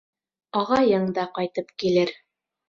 Ағайың да ҡайтып килер.